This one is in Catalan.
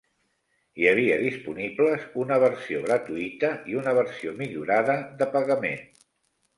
Hi havia disponibles una versió gratuïta i una versió "millorada" de pagament.